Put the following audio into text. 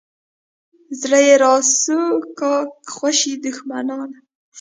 زړه یې راسو کا خوشي دښمنان.